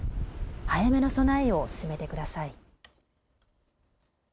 早めの備えを進めてください。